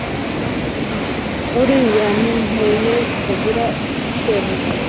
Bariya ni impehe zitagira shebuja